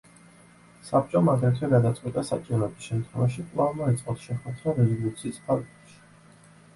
საბჭომ აგრეთვე გადაწყვიტა საჭიროების შემთხვევაში კვლავ მოეწყოთ შეხვედრა, რეზოლუციის ფარგლებში.